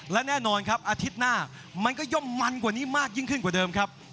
และแน่นอนครับอาทิตย์หน้ามันก็ย่อมมันกว่านี้มากยิ่งขึ้นกว่าเดิมครับ